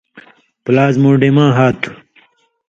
پلاسمُوڈیَماں ہا تُھو۔